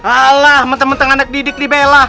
allah menteng menteng anak didik dibela